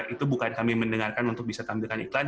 itu bukan kami mendengarkan untuk bisa tampilkan iklan